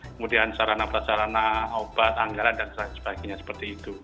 kemudian sarana prasarana obat anggaran dan sebagainya seperti itu